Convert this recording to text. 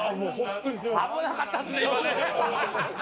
危なかったですね、今ね。